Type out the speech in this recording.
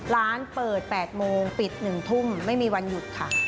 ร้านเปิด๘โมงปิด๑ทุ่มไม่มีวันหยุดค่ะ